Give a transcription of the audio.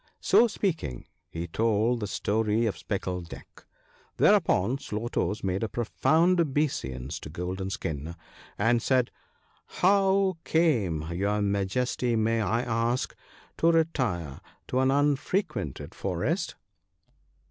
So speak ing, he told the story of Speckle neck. Thereupon Slow toes made a profound obeisance to Golden skin, and THE WINNING OF FRIENDS. 41 said, ' How came your Majesty, may I ask, to retire to an unfrequented forest